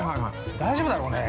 ◆大丈夫だろうね。